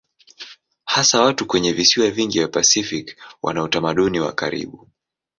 Hasa watu kwenye visiwa vingi vya Pasifiki wana utamaduni wa karibu.